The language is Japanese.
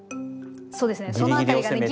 そうですねそのあたりがね